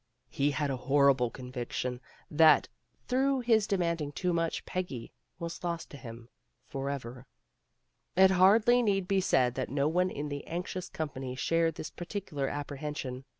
He had a horrible conviction that, through his demanding too much, Peggy was lost to him forever. It hardly need be said that no one in the anx ious company shared this particular apprehen sion.